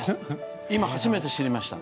今、初めて知りました。